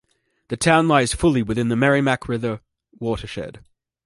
The town lies fully within the Merrimack River watershed.